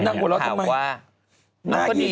น่ากลัวละทำไม